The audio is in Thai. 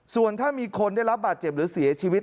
ส่วนถ้ามีคนได้รับบาดเจ็บหรือเสียชีวิต